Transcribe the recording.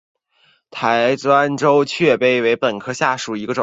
台湾雀稗为禾本科雀稗属下的一个种。